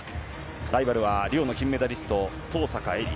ライバルはリオの金メダリスト登坂絵莉。